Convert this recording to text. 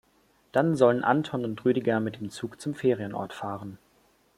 Dann sollen Anton und Rüdiger mit dem Zug zum Ferienort fahren.